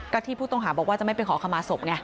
ก็ที่ผู้ต้องหาบอกว่าจะไม่ไปขอขมาศพไง